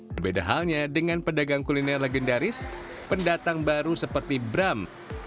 berbeda halnya dengan pedagang kuliner legendaris pendatang baru seperti bram